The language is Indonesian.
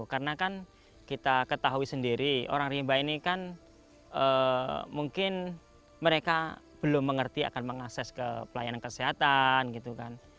karena kan kita ketahui sendiri orang rimba ini kan mungkin mereka belum mengerti akan mengakses ke pelayanan kesehatan gitu kan